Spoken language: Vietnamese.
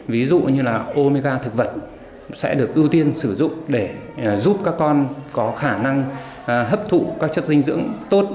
ví dụ như là omega thực vật sẽ được ưu tiên sử dụng để giúp các con có khả năng hấp thụ các chất dinh dưỡng tốt